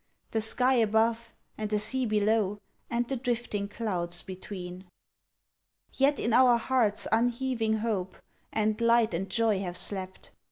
The sky above and the sea below And the drifting clouds between. Yet in our hearts unheaving hope And light and joy have slept.